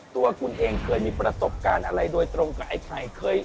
ตัวคุณเองเคยมีประสบการณ์อะไรโดยตรงกับไอ้ไข่